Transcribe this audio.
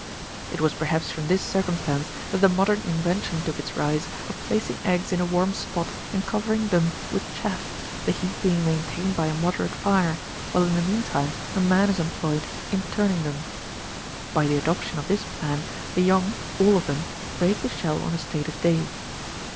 It was perhaps from this circumstance, that the modem in vention took its rise, of placing eggs in a warm spot and cover ing them with chaff, the heat being maintained by a moderate fire, while in the meantime a man is employed in turning them. Ey the adoption of this plan, the young, all of them, break the shell on a stated day.